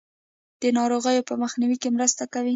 د ناروغیو په مخنیوي کې مرسته کوي.